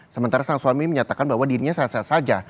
sementara sang suami menyatakan bahwa dirinya sah sah saja